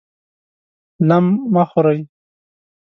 لم مه خورئ!